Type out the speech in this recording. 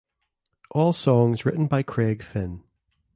All songs written by Craig Finn